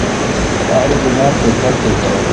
তাহলে তোমার দেখভাল কে করে?